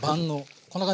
こんな感じ。